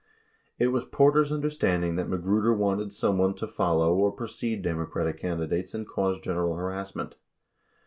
40 It was Porter's understanding that Magruder wanted someone to fol low or precede Democratic candidates and cause general harassment.